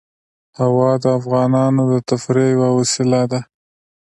هوا د افغانانو د تفریح یوه وسیله ده.